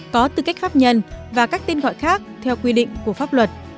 có tư cách pháp nhân và các tên gọi khác theo quy định của pháp luật